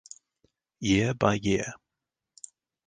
Year by year